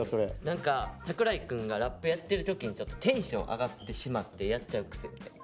何か櫻井くんがラップやってる時にテンション上がってしまってやっちゃうクセみたいな。